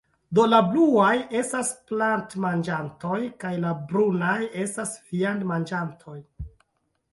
Do, la bluaj estas plantmanĝantoj, kaj la brunaj estas viandmanĝantoj.